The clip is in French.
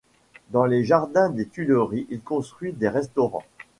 Dans les jardins des Tuileries, il construit des restaurants.